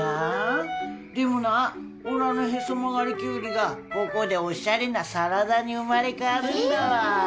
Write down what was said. でもなおらのへそ曲がりキュウリがここでおしゃれなサラダに生まれ変わるんだわ。